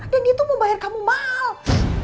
dan dia tuh mau bayar kamu mahal